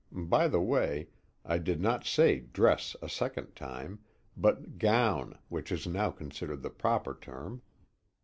(By the way, I did not say "dress" a second time, but "gown," which is now considered the proper term.)